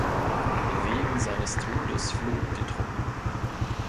Wegen seines Todes flohen die Truppen.